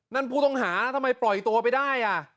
นั่นผู้ต้องหาทำไมปล่อยตัวไปได้